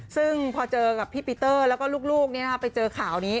ซึ่งพอเจอกับพี่ปีเตอร์แล้วก็ลูกไปเจอข่าวนี้